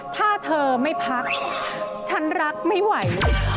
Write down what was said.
ถ้าเธอไม่พักฉันรักไม่ไหว